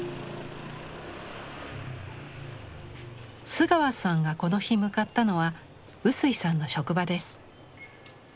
須川さんがこの日向かったのは臼井さんの職場です。